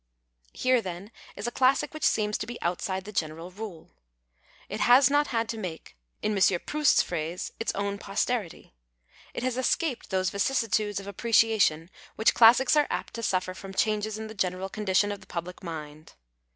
Here, then, is a classic which seems to be outside the general rule. It has not had to make, in M. Proust's phrase, its own posterity. It has cscaj)ed those vicissitudes of aj)})reciation which classics are apt to suffer from changes in the general condition of the public mind.